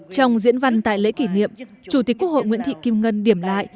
trong diễn văn tại lễ kỷ niệm chủ tịch quốc hội nguyễn thị kim ngân điểm lại